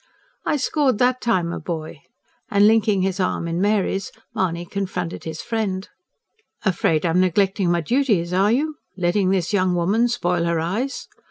"I scored that time, my boy!" and linking his arm in Mary's, Mahony confronted his friend. "Afraid I'm neglecting my duties, are you? Letting this young woman spoil her eyes?